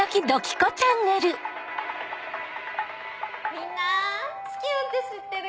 みんなツキヨンって知ってる？